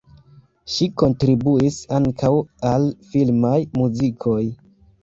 Ŝi kontribuis ankaŭ al filmaj muzikoj.